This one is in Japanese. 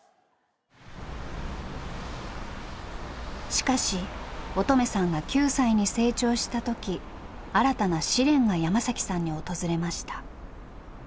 しかし音十愛さんが９歳に成長した時新たな試練が山さんに訪れました。